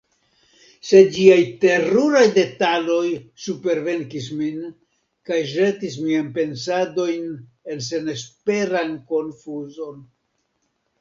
Sed ĝiaj teruraj detaloj supervenkis min kaj ĵetis miajn pensadojn en senesperan konfuzon.